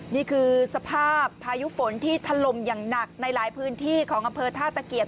นี่คือสภาพพายุฝนที่ถล่มอย่างหนักในหลายพื้นที่ของอำเภอท่าตะเกียบ